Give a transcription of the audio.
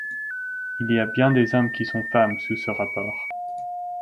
Il y a bien des hommes qui sont femmes sous ce rapport.